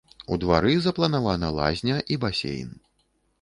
У двары запланавана лазня і басейн.